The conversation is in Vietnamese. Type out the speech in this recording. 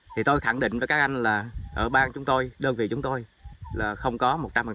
thì tôi khẳng định với các anh là ở bang chúng tôi đơn vị chúng tôi là không có một trăm linh